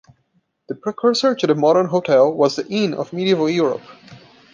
The precursor to the modern hotel was the inn of medieval Europe.